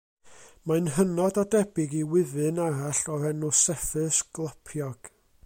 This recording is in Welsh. Mae'n hynod o debyg i wyfyn arall o'r enw'r Seffyr Sgolpiog